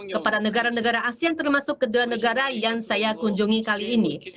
kepada negara negara asean termasuk kedua negara yang saya kunjungi kali ini